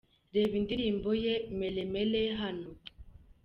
Reba indirimbo ye ’Mélé Mélé’ hano:.